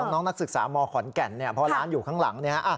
น้องนักศึกษามขอนแก่นเนี่ยเพราะว่าร้านอยู่ข้างหลังเนี่ย